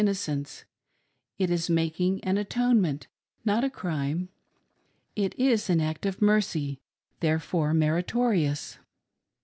innocence — it is making atonement, not a crime; it is an act of mercy, therefore meritorious.